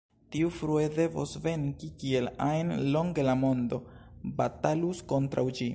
Tiu frue devos venki, kiel ajn longe la mondo batalus kontraŭ ĝi.